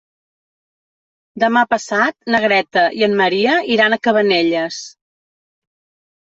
Demà passat na Greta i en Maria iran a Cabanelles.